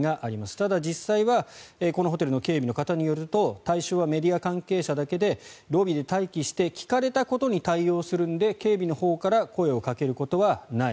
ただ、実際はこのホテルの警備の方によると対象はメディア関係者だけでロビーで待機して聞かれたことに対応するので警備のほうから声をかけることはない。